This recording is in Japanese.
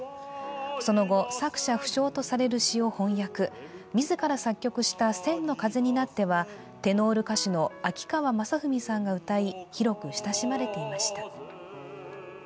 その後、作者不詳とされる詩を翻訳自ら作曲した「千の風になって」は、テノール歌手の秋川雅史さんが歌い、広く親しまれていました。